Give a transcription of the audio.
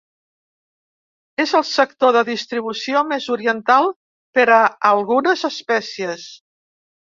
És el sector de distribució més oriental per a algunes espècies.